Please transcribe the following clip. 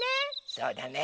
そうだね。